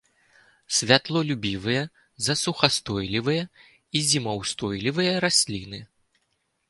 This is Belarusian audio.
Святлолюбівыя, засухаўстойлівыя і зімаўстойлівыя расліны.